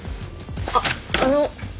あっあの。